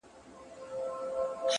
د تل لپاره!!